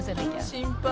心配。